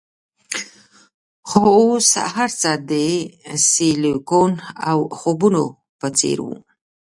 خو اوس هرڅه د سیلیکون او خوبونو په څیر وو